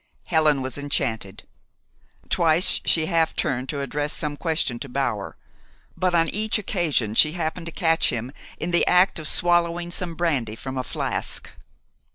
Helen was enchanted. Twice she half turned to address some question to Bower; but on each occasion she happened to catch him in the act of swallowing some brandy from a flask.